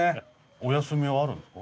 お休みはあるんですか？